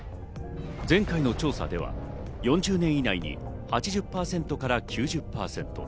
前回の調査では４０年以内に８０％から９０％。